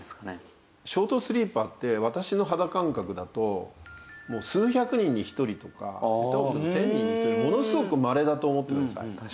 ショートスリーパーって私の肌感覚だともう数百人に１人とか１０００人に１人ものすごくまれだと思ってください。